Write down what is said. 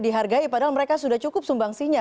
dihargai padahal mereka sudah cukup sumbangsinya